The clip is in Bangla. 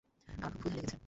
আমার খুব ক্ষুধা লেগেছে।